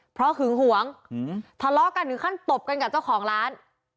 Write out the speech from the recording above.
เพราะหึงหวงทะเลาะกันถึงขั้นตบกันกับเจ้าของร้าน